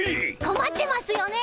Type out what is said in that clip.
こまってますよね？